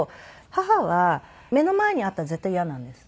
母は目の前にあったら絶対嫌なんです。